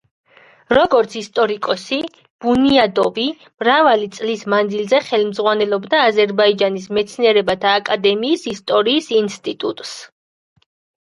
როგორც ისტორიკოსი, ბუნიადოვი მრავალი წლის მანძილზე ხელმძღვანელობდა აზერბაიჯანის მეცნიერებათა აკადემიის ისტორიის ინსტიტუტს.